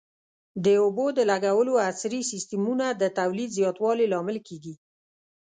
د اوبو د لګولو عصري سیستمونه د تولید زیاتوالي لامل کېږي.